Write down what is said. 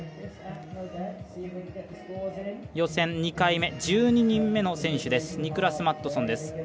予選２回目、１２人目の選手です。